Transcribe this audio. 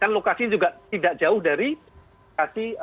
kan lokasi juga tidak jauh dari lokasi